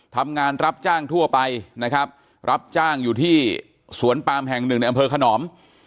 ทำงานรับจ้างทั่วไปนะครับรับจ้างอยู่ที่สวนปามแห่งหนึ่งในอำเภอขนอม